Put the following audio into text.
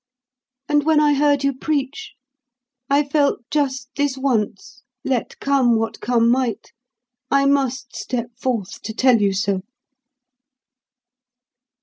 And when I heard you preach, I felt just this once, let come what come might, I must step forth to tell you so."